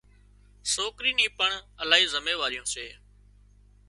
سوڪرِي ني پڻ الاهي زميواريون سي